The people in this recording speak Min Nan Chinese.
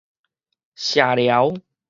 射寮